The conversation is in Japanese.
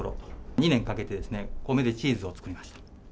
２年かけて米でチーズを作りました。